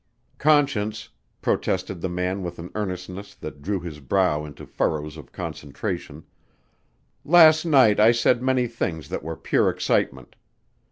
"Conscience," protested the man with an earnestness that drew his brow into furrows of concentration, "last night I said many things that were pure excitement.